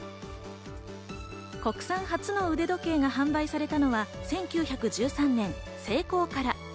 国産初の腕時計が販売されたのは１９１３年ＳＥＩＫＯから。